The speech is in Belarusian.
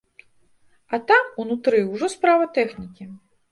А там, унутры, ужо справа тэхнікі.